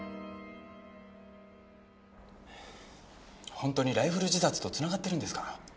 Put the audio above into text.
本当にライフル自殺とつながってるんですか？